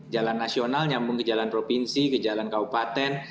jalan nasional nyambung ke jalan provinsi ke jalan kaupaten